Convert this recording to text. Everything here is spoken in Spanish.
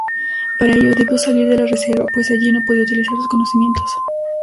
Para ello debió salir de la reserva pues allí no podía utilizar sus conocimientos.